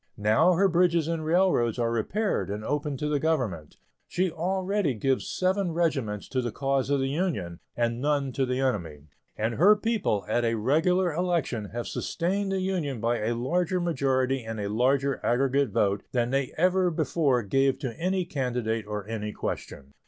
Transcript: Now her bridges and railroads are repaired and open to the Government; she already gives seven regiments to the cause of the Union, and none to the enemy; and her people, at a regular election, have sustained the Union by a larger majority and a larger aggregate vote than they ever before gave to any candidate or any question.